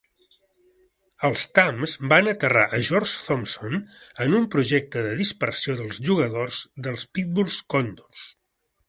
Els Tams van aterrar a George Thompson en un projecte de dispersió dels jugadors del Pittsburgh Condors.